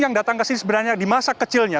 yang datang ke sini sebenarnya di masa kecilnya